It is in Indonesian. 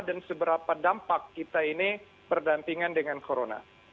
dan seberapa dampak kita ini berdampingan dengan corona